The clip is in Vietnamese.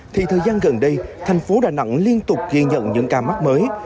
thì thời gian gần đây thành phố đà nẵng liên tục ghi nhận những ca mắc mới